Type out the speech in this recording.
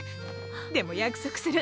でも約束する。